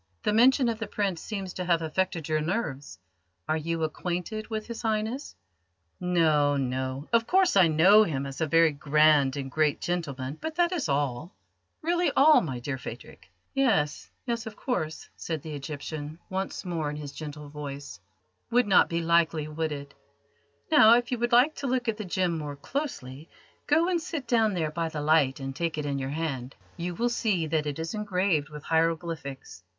"The mention of the Prince seems to have affected your nerves. Are you acquainted with His Highness?" "Me? I? Why, how should I know a great man like the noble Prince? No, no; of course I know him as a very grand and great gentleman, but that is all, really all, my dear Phadrig." "Yes, yes, of course," said the Egyptian, once more in his gentle voice; "would not be likely, would it? Now, if you would like to look at the gem more closely, go and sit down there by the light and take it in your hand. You will see that it is engraved with hieroglyphics.